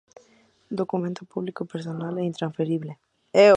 Documento Público, personal e intransferible.